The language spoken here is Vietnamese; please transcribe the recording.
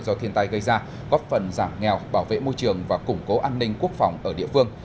do thiên tai gây ra góp phần giảm nghèo bảo vệ môi trường và củng cố an ninh quốc phòng ở địa phương